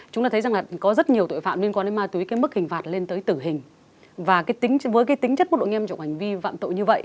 chúng ta thấy rằng là có rất nhiều tội phạm liên quan đến ma túy cái mức hình phạt lên tới tử hình